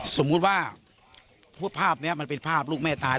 สมมุติว่าภาพนี้มันเป็นภาพลูกแม่ตาย